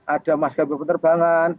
ada maskapai penerbangan